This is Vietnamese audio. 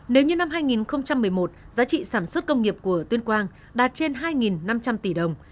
nếu như năm hai nghìn một mươi một giá trị sản xuất công nghiệp của tuyên quang đạt trên hai năm trăm linh tỷ đồng